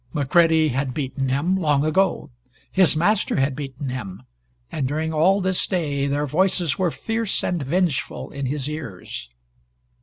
McCready had beaten him long ago; his master had beaten him; and during all this day their voices were fierce and vengeful in his ears.